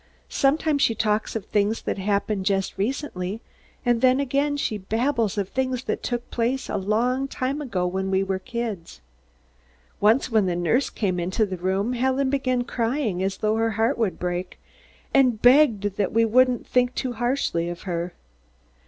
Sometimes she talks of things that happened just recently and then again she babbles of things that took place a long time ago when we were kids. Once when the nurse came into the room, Helen began crying as though her heart would break and begged that we wouldn't think too harshly of her.